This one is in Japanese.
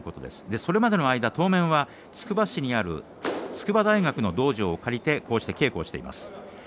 それまでの間当面はつくば市にある筑波大学の道場を借りて稽古しています。